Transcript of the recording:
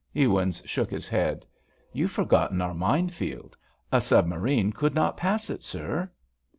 Ewins shook his head. "You've forgotten our minefield—a submarine could not pass it, sir."